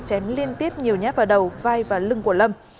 chém liên tiếp nhiều nhát vào đầu vai và lưng của lâm